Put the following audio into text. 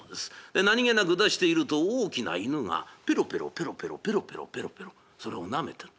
で何気なく出していると大きな犬がペロペロペロペロペロペロペロペロそれをなめてる。